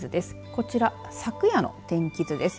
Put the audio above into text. こちら昨夜の天気図です。